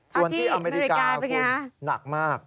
ส่วนที่อเมริกาคุณหนักมาก